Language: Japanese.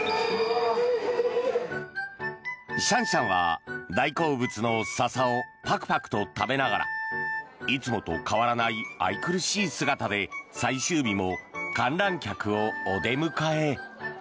シャンシャンは大好物のササをパクパクと食べながらいつもと変わらない愛くるしい姿で最終日も観覧客をお出迎え。